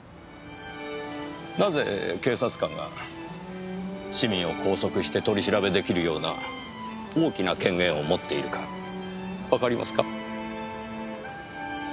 なぜ警察官が市民を拘束して取り調べ出来るような大きな権限を持っているかわかりますか？